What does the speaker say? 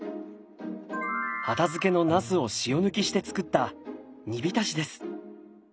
畑漬のなすを塩抜きしてつくった煮浸しです。